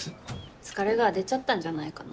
疲れが出ちゃったんじゃないかな。